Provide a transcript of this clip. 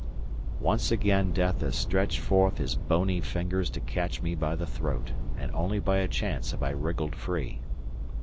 _ Once again Death has stretched forth his bony fingers to catch me by the throat, and only by a chance have I wriggled free.